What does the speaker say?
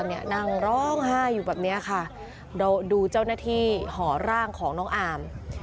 เนี่ยนั่งร้องไห้อยู่แบบเนี้ยค่ะเราดูเจ้าหน้าที่ห่อร่างของน้องอาม